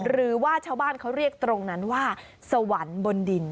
หรือว่าชาวบ้านเขาเรียกตรงนั้นว่าสวรรค์บนดิน